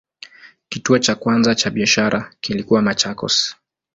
Kituo cha kwanza cha biashara kilikuwa Machakos.